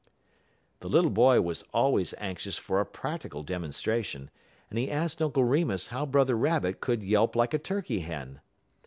The little boy was always anxious for a practical demonstration, and he asked Uncle Remus how Brother Rabbit could yelp like a turkey hen.